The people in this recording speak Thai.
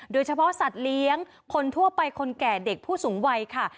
โดยเฉพาะสัตว์เลี้ยงคนทั่วไปคนแก่เด็กผู้สูงวัยค่ะ